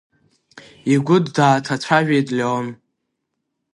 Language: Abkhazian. Игәы дааҭацәажәеит Леон.